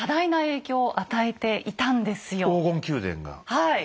はい。